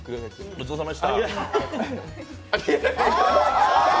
ごちそうさまでした。